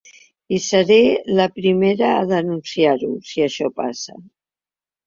I seré la primera a denunciar-ho, si això passa.